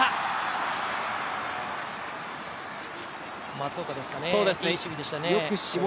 松岡でしたか、いい守備でしたね。